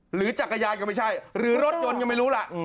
หรือจักรยานก็ไม่ใช่หรือรถยนต์ก็ไม่รู้ล่ะ